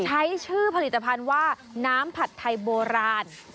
ใช้ชื่อผลิตภัณฑ์ว่าน้ำผัดไทยโบราณ